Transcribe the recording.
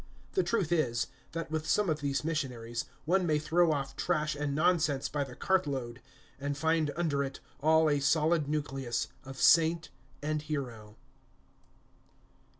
The truth is, that, with some of these missionaries, one may throw off trash and nonsense by the cart load, and find under it all a solid nucleus of saint and hero.